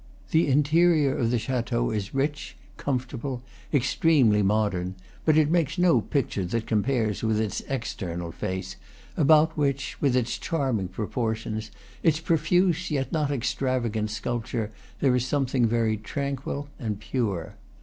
The interior of the chateau is rich, comfortable, extremely modern; but it makes no picture that compares with its external face, about which, with its charming proportions, its profuse yet not extravagant sculpture, there is something very tranquil and pure.